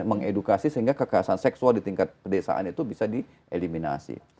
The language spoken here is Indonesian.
mengedukasi sehingga kekerasan seksual di tingkat pedesaan itu bisa dieliminasi